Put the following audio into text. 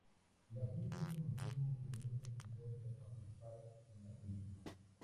La actriz siempre mantuvo que nunca cobró por participar en la película.